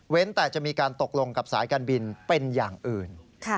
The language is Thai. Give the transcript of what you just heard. แต่จะมีการตกลงกับสายการบินเป็นอย่างอื่น